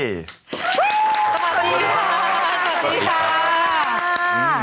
สวัสดีค่ะ